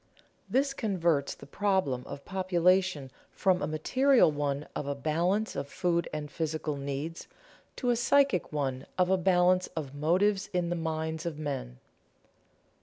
This converts the problem of population from a material one of a balance of food and physical needs, to a psychic one of a balance of motives in the minds of men.